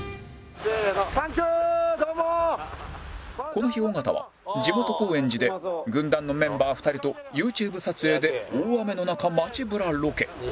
この日尾形は地元高円寺で軍団のメンバー２人と ＹｏｕＴｕｂｅ 撮影で大雨の中街ぶらロケ